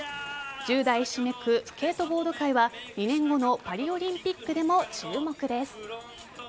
１０代ひしめくスケートボード界は２年後のパリオリンピックでも注目です。